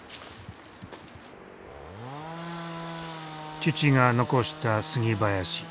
父が残した杉林。